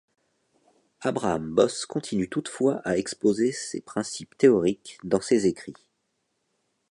Abraham Bosse continue toutefois à exposer ses principes théoriques dans ses écrits.